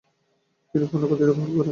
তিনি পূর্ণ কর্তৃত্ব গ্রহণ করেন।